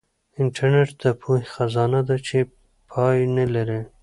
انټرنیټ د پوهې خزانه ده چې پای نه لري.